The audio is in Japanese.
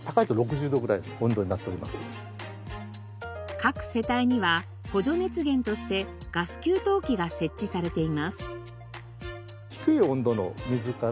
各世帯には補助熱源としてガス給湯器が設置されています。